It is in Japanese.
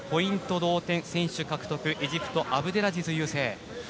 同点エジプト、アブデラジズ優勢。